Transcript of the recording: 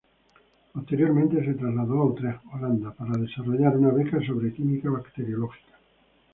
Posteriormente se trasladó a Utrecht, Holanda, para desarrollar una beca sobre Química Bacteriológica.